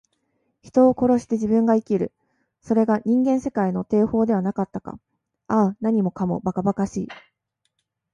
人を殺して自分が生きる。それが人間世界の定法ではなかったか。ああ、何もかも、ばかばかしい。